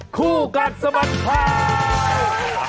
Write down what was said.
คู่กัดสมัครค่ะ